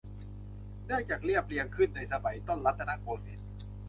เนื่องจากเรียบเรียงขึ้นในสมัยต้นรัตนโกสินทร์